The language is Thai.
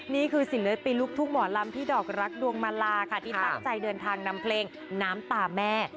ศิลปินลูกทุ่งหมอลำพี่ดอกรักดวงมาลาค่ะที่ตั้งใจเดินทางนำเพลงน้ำตาแม่